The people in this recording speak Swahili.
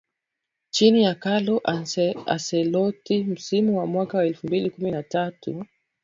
Chini ya Carlo Ancelotti msimu wa mwaka wa elfu mbili kumi na tatu